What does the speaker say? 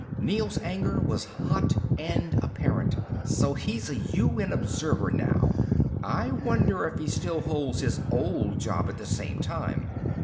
Neel's anger was hot and apparent. "So he's a UN observer now. I wonder if he still holds his old job at the same time.